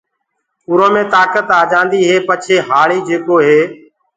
اُرو مي تآڪت آجآندي هي پڇي هآݪي جيڪو هي